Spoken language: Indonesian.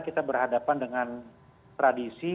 kita berhadapan dengan tradisi